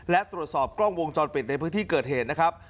และตรวจสอบกล้องวงจรปิดในพื้นที่เกิดเหตุนะครับ